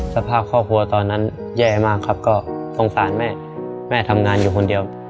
สภาพครอบครัวตอนนั้นแย่มากครับก็สงสารแม่แม่ทำงานอยู่คนเดียว